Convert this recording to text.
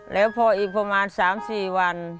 แล้วพออีกประมาณ๓๔วัน